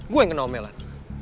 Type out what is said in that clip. gua yang kena omelan